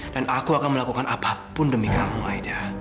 dan aku akan melakukan apapun demi kamu aida